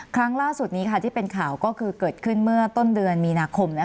ครั้งล่าสุดนี้ที่เป็นข่าวก็คือเกิดขึ้นเมื่อต้นเดือนมีนาคม